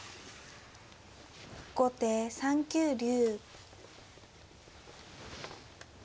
後手３九竜。